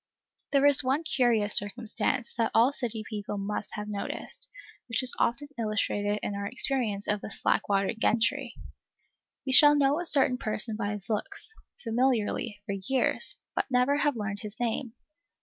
There is one curious circumstance, that all city people must have noticed, which is often illustrated in our experience of the slack water gentry. We shall know a certain person by his looks, familiarly, for years, but never have learned his name.